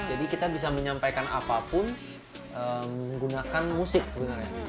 jadi kita bisa menyampaikan apapun menggunakan musik sebenarnya